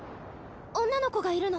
女の子がいるの。